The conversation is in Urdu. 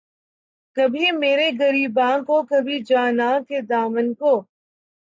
کبھی میرے گریباں کو‘ کبھی جاناں کے دامن کو